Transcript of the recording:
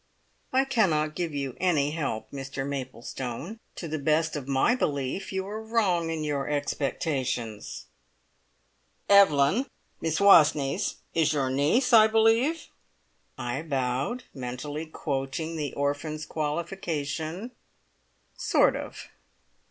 "I cannot give you any help, Mr Maplestone. To the best of my belief, you are wrong in your expectations." "Evelyn Miss Wastneys is your niece, I believe?" I bowed, mentally quoting the orphan's qualification: "Sort of!"